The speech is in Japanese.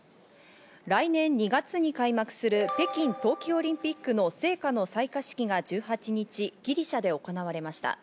来年２月に開幕する北京冬季オリンピックの聖火の採火式が１８日ギリシャで行われました。